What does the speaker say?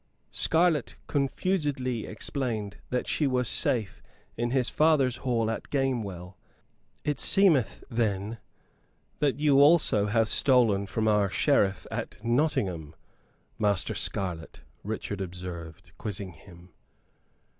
Scarlett confusedly explained that she was safe in his father's hall at Gamewell. "It seemeth, then, that you also have stolen from our Sheriff at Nottingham, Master Scarlett?" Richard observed, quizzing him.